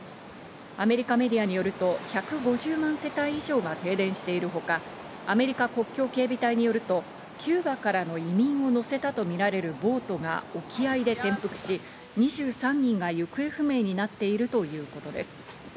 アメリカメディアによると１５０万世帯以上が停電しているほか、アメリカ国境警備隊によると、キューバからの移民を乗せたとみられるボートが沖合で転覆し、２３人が行方不明になっているということです。